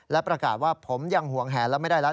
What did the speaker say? และประกาศว่าผมยังหวงแหนและไม่ได้แล้ว